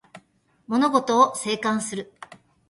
物事を静観する